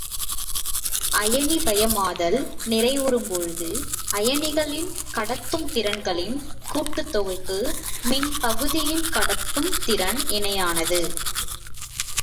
அயனிவயமாதல் நிறைவுறும் பொழுது, அயனிகளின் கடத்தும் திறன்களின் கூட்டுத்தொகைக்கு மின்பகுளியின் கடத்தும் திறன் இணையானது.